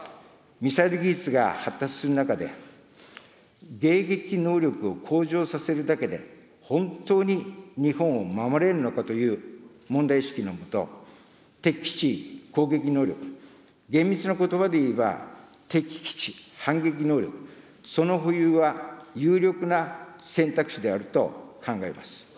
ミサイル技術が発達する中で、迎撃能力を向上させるだけで本当に日本を守れるのかという問題意識の下、敵基地攻撃能力、厳密なことばで言えば、敵基地反撃能力、その保有は有力な選択肢であると考えます。